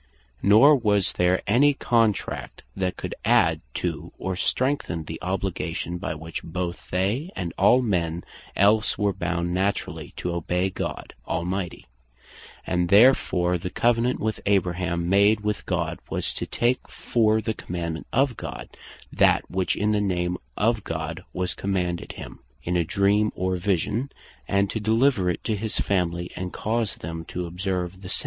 Nor was there any Contract, that could adde to, or strengthen the Obligation, by which both they, and all men else were bound naturally to obey God Almighty: And therefore the Covenant which Abraham made with God, was to take for the Commandement of God, that which in the name of God was commanded him, in a Dream, or Vision, and to deliver it to his family, and cause them to observe the same.